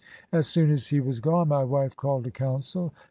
... As soon as he was gone my wife called a council.